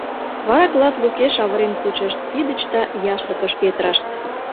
Вара клат лукеш авырен кучышт, пидыч да яшлыкыш петырышт.